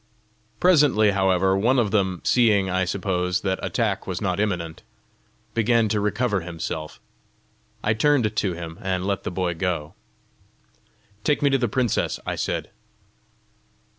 Presently, however, one of them, seeing, I suppose, that attack was not imminent, began to recover himself; I turned to him, and let the boy go. "Take me to the princess," I said.